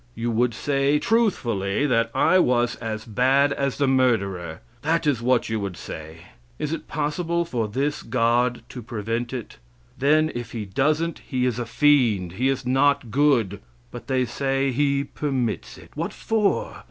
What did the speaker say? You would say truthfully that I was as bad as the murderer. That is what you would say. Is it possible for this God to prevent it? Then, if He doesn't, He is a fiend; He is not good. But they say He "permits it." What for?